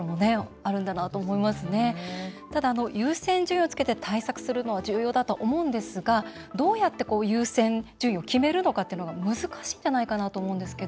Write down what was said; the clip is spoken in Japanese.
ただ、優先順位をつけて対策するのが重要だと思うんですがどうやって優先順位を決めるのか難しいと思うんですが。